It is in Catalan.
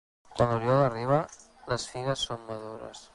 Quan l'oriol arriba, les figues són madures.